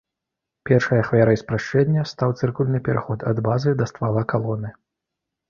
Першай ахвярай спрашчэння стаў цыркульны пераход ад базы да ствала калоны.